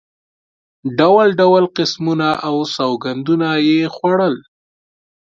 ډول ډول قسمونه او سوګندونه یې خوړل.